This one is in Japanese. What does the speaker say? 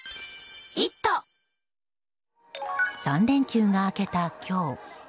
３連休が明けた今日。